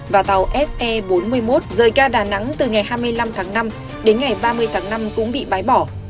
và tàu se bốn mươi một rời ga đà nẵng từ ngày hai mươi năm tháng năm đến ngày ba mươi tháng năm cũng bị bãi bỏ